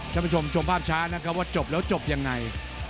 ท่านผู้ชมชมภาพช้านะครับว่าจบแล้วจบยังไง